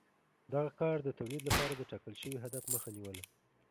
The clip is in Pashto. دغه کار د تولید لپاره د ټاکل شوي هدف مخه نیوله